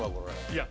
いや